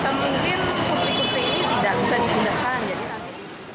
sebisa mungkin kursi kursi ini tidak bisa dipindahkan